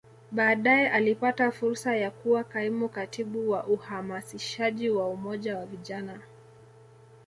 Baadae alipata fursa ya kuwa Kaimu Katibu wa Uhamasishaji wa Umoja wa Vijana